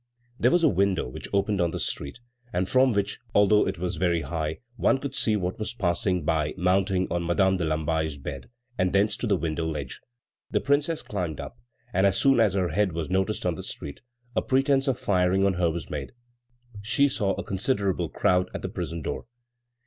There was a window which opened on the street, and from which, although it was very high, one could see what was passing by mounting on Madame de Lamballe's bed, and thence to the window ledge. The Princess climbed up, and as soon as her head was noticed on the street, a pretence of firing on her was made. She saw a considerable crowd at the prison door.